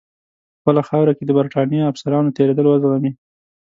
په خپله خاوره کې د برټانیې افسرانو تېرېدل وزغمي.